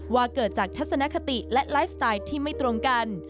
ว่าเกิดจากทัศนคติและไลฟ์สไตล์ที่ไม่ตรงกัน